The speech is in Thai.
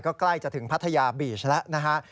ก็ใกล้จะถึงพัทยาบีชแล้วนะฮะ